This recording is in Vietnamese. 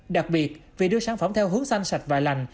đặc biệt vì đưa sản phẩm theo hướng xanh sạch và lành